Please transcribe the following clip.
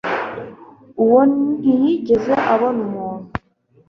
uwo ntiyigeze abona umuntu